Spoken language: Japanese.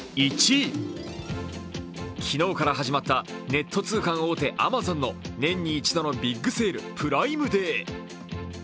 昨日から始まったネット通販大手・アマゾンの年に一度のビッグセールプライムデー。